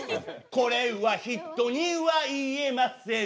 これは人には言えません